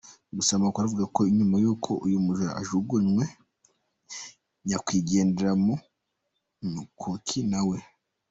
Gusa amakuru avuga ko nyuma y’uko uyu mujura ajugunyiye nyakwigendera mu mukoki nawe.